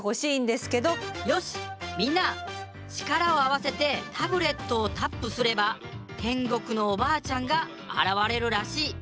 「よしみんな力を合わせてタブレットをタップすれば天国のおばあちゃんが現れるらしい。